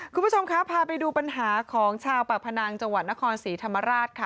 คุณผู้ชมคะพาไปดูปัญหาของชาวปากพนังจังหวัดนครศรีธรรมราชค่ะ